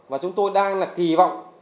và chúng tôi đang là kỳ vọng